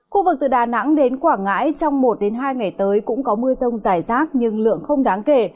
khu vực từ đà nẵng đến quảng ngãi trong một hai ngày tới cũng có mưa rông rải rác nhưng lượng không đáng kể